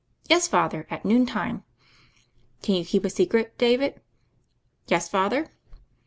"Yes, Father, at noon time." "Can you keep a secret, David?" "Yes, Father."